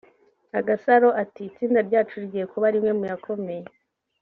Agasaro ati Itsinda ryacu rigiye kuba rimwe mu yakomeye